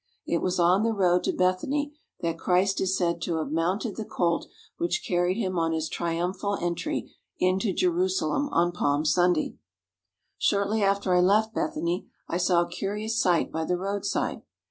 It was on the road to Bethany that Christ is said to have mounted the colt which carried him on his triumphal entry into Jerusalem on Palm Sunday. Shortly after I left Bethany I saw a curious sight by the roadside.